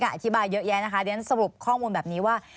อธิบายเยอะแยะนะคะเดี๋ยวฉันสรุปข้อมูลแบบนี้ว่า